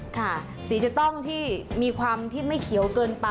ค่ะสีจะต้องที่มีความที่ไม่เขียวเกินไป